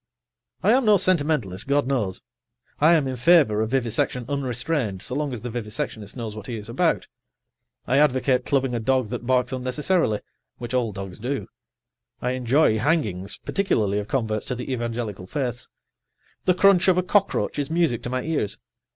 I am no sentimentalist, God knows. I am in favor of vivisection unrestrained, so long as the vivisectionist knows what he is about. I advocate clubbing a dog that barks unnecessarily, which all dogs do. I enjoy hangings, particularly of converts to the evangelical faiths. The crunch of a cockroach is music to my ears.